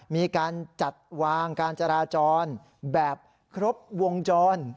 มีการจัดวางการจราจรแบบครบวงจร